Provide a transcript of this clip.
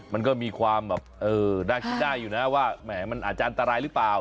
มันก็มีความแบบเออน่าคิดได้อยู่นะว่าแหมมันอาจจะอันตรายหรือเปล่า